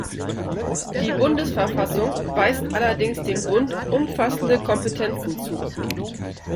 Die Bundesverfassung weist allerdings dem Bund umfassende Kompetenzen zu.